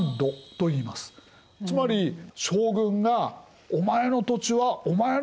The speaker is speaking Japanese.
つまり将軍が「お前の土地はお前のものだ。